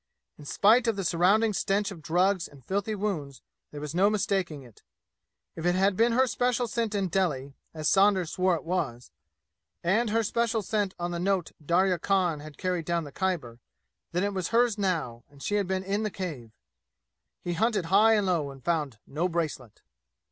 In spite of the surrounding stench of drugs and filthy wounds, there was no mistaking it. If it had been her special scent in Delhi, as Saunders swore it was, and her special scent on the note Darya Khan had carried down the Khyber, then it was hers now, and she had been in the cave. He hunted high and low and found no bracelet.